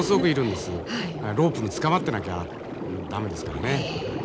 ロープにつかまってなきゃ駄目ですからね。